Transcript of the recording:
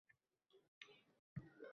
Muhabbat xotinni, bolani boqmas.